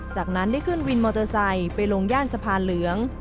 จากนั้นได้ขึ้นวินมอเตอร์ไซค์ไปลงย่านสะพานเหลือง